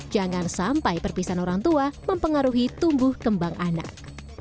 jangan sampai perpisahan orang tua mempengaruhi tumbuh kembang anak